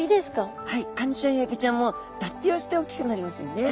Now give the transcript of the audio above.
はいカニちゃんやエビちゃんも脱皮をしておっきくなりますよね。